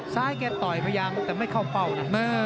ซ้ายแกต่อยไปยังแต่ไม่เข้าเป้านะ